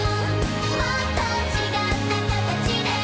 「もっと違ったかたちで」